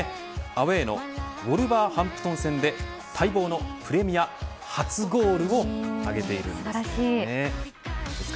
アウェーのウォルバーハンプトン戦で待望のプレミア初ゴールを挙げているんです。